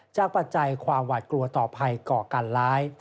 ปัจจัยความหวาดกลัวต่อภัยก่อการร้าย